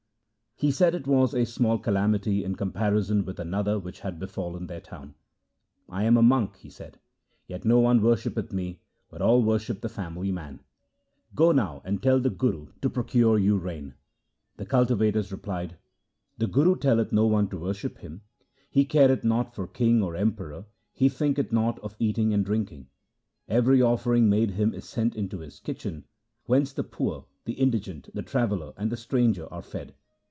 He said it was a small calamity in comparison with another which had befallen their town. ' I am a monk,' he said, ' yet no one worshippeth me, but all worship the family man. Go now and tell the Guru to procure you rain.' The cultivators replied :' The Guru telleth no one to worship him. He careth naught for king or emperor, he thinketh not of eating or drinking. Every offering made him is sent into his kitchen, whence the poor, the indigent, the traveller, and the stranger are fed.